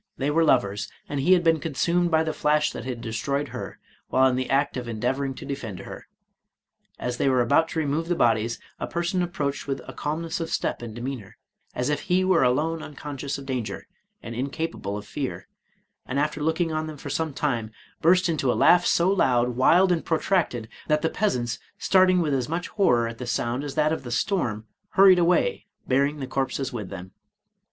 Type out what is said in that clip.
*' They were lovers, and he had been consumed by the flash that had destroyed her, while in the act of endeavoring to defend her. As they were about to remove the bodies, a person approached with a calmness of step and demeanor, as if he were alone un conscious of danger, and incapable of fear ; and after look ing on them for some time, burst into a laugh so loud, wild, and protracted, that the peasants, starting with as much horror at the sound as at that of the storm, hurried away, bearing the corpses with them.